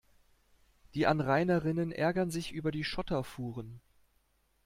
Die Anrainerinnen ärgern sich über die Schotterfuhren.